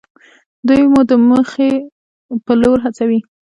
دوی مو د موخې په لور هڅوي.